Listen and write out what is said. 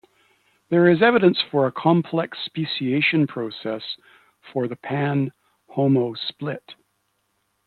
There is evidence for a complex speciation process for the "Pan"-"Homo" split.